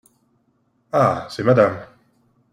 Ah ! c’est madame…